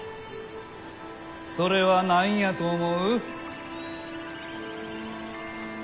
それは何やと思う？